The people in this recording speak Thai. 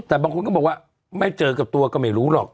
แต่บางคนก็บอกว่าไม่เจอกับตัวก็ไม่รู้หรอก